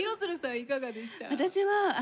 いかがでした？